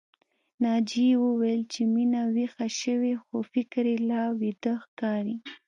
ناجيې وويل چې مينه ويښه شوې خو فکر يې لا ويده ښکاري